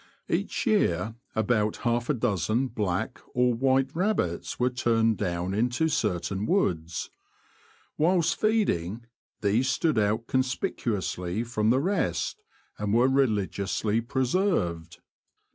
Each year about half a dozen black or white rabbits were turned down into certain woods. Whilst feeding, these stood out conspicuously from the The Confessions of a Poacher, 131 rest, and were religiously preserved.